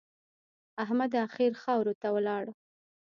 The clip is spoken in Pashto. احمد اخير خاورو ته ولاړ.